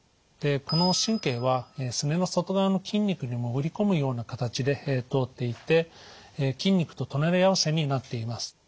でこの神経はすねの外側の筋肉に潜り込むような形で通っていて筋肉と隣り合わせになっています。